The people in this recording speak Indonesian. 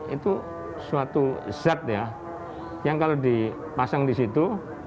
itu suatu zat ya yang kalau dipasang di situ